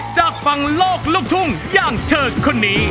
จากฝั่งโลกลูกทุ่งอย่างเฉิดคนนี้